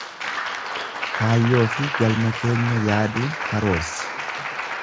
Kaayyoo fi galma keenya yaaduun karoorsi.